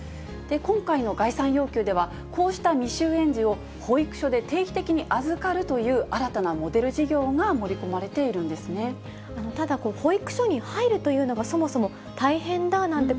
今回の概算要求では、こうした未就園児を保育所で定期的に預かるという新たなモデル事ただ、保育所に入るというのが、そもそも大変だなんて